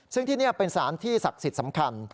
ซึ่งที่นี่เป็นสารที่ศักดิ์สิทธิ์สำคัญ